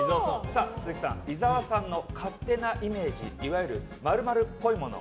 鈴木さん、伊沢さんの勝手なイメージいわゆる○○っぽいもの。